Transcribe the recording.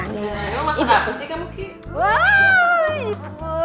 emang masak apa sih kamu